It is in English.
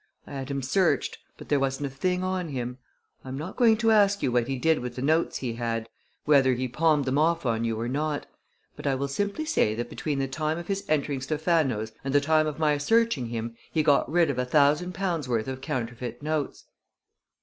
I had him searched, but there wasn't a thing on him. I am not going to ask you what he did with the notes he had whether he palmed them off on you or not but I will simply say that between the time of his entering Stephano's and the time of my searching him he got rid of a thousand pounds' worth of counterfeit notes."